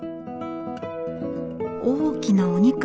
大きなお肉。